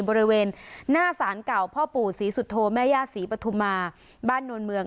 บริเวณหน้าสารเก่าพ่อปู่ศรีสุโธแม่ย่าศรีปฐุมาบ้านนวลเมือง